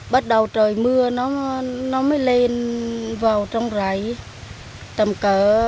bắt đầu trời mưa nó mới lên vào trong rạy tầm cỡ